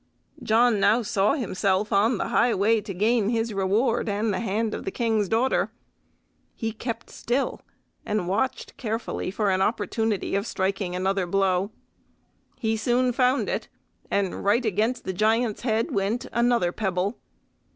John now saw himself on the high way to gain his reward and the hand of the King's daughter. He kept still, and carefully watched for an opportunity of striking another blow. He soon found it, and right against the giant's head went another pebble.